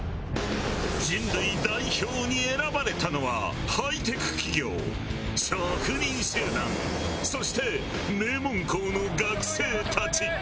人類代表に選ばれたのはハイテク企業職人集団そして名門校の学生たち。